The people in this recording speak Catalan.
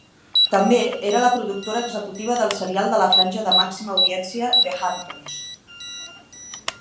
També era la productora executiva del serial de la franja de màxima audiència The Hamptons.